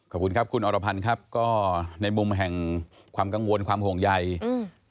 ขอบคุณครับคุณอรพันธ์ครับก็ในมุมแห่งความกังวลความห่วงใยอืม